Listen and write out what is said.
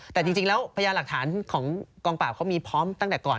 แต่จริงแล้วพยานหลักฐานของกองปราบเขามีพร้อมตั้งแต่ก่อน